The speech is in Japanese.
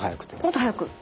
もっと速く。